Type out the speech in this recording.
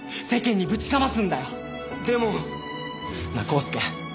なあコースケ。